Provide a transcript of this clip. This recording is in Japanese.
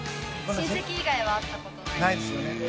親戚以外は会ったことないです。